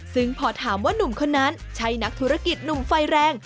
ซึ่งพอถามว่านุ่มคนนั้นใช่นักธุรกิจหนุ่มไฟแรง